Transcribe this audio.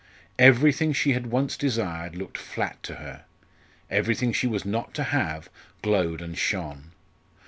Everything she had once desired looked flat to her; everything she was not to have, glowed and shone.